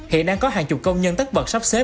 hiện đang có hàng chục công nhân tất bật sắp xếp